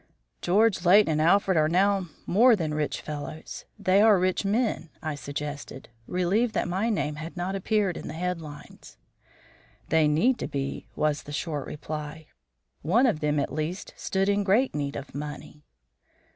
'_ George, Leighton, and Alfred are now more than rich fellows. They are rich men," I suggested, relieved that my name had not appeared in the headlines. "They need to be," was the short reply. "One of them at least stood in great need of money."